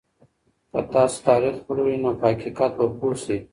که تاسو تاریخ ولولئ نو په حقیقت به پوه شئ.